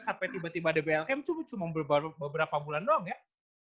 sampai tiba tiba ada blm cuma beberapa bulan doang ya